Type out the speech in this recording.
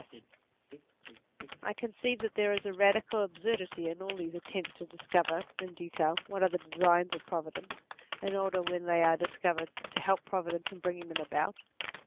NATURE 55 I conceive that there is a radical absurdity in all these attempts to discover, in detail, what are the designs of Providence, in order when they are dis covered to help Providence in bringing them about.